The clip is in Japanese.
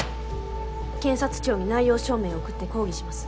検察庁に内容証明を送って抗議します。